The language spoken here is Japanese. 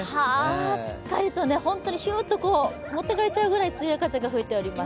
しっかりと本当にひゅっともってかれちゃうくらい強い風が吹いています。